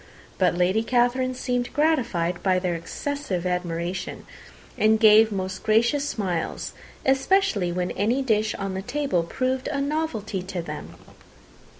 But Lady Catherine seemed gratified by their excessive admiration, and gave most gracious smiles, especially when any dish on the table proved a novelty to them.